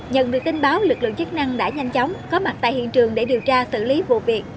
nhận được tin báo lực lượng chức năng đã nhanh chóng có mặt tại hiện trường để điều tra xử lý vụ việc